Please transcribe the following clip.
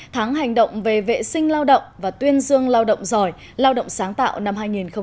tháng hành động về vệ sinh lao động và tuyên dương lao động giỏi lao động sáng tạo năm hai nghìn một mươi chín